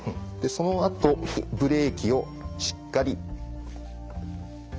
そのあとブレーキをしっかり止めます。